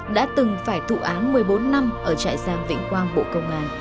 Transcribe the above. đã từng phải thụ án một mươi bốn năm ở trại giam vĩnh quang bộ công an